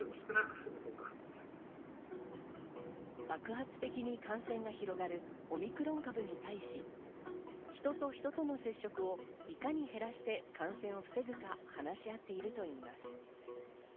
爆発的に感染が広がるオミクロン株に対し、人と人との接触をいかに減らして感染を防ぐか話し合っているといいます。